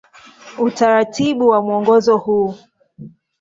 Utaratibu wa mwongozo huu